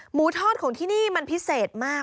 หมูทอดของที่นี่มันพิเศษมาก